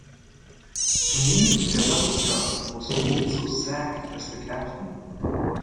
Sunil Gavaskar was also sacked as the captain.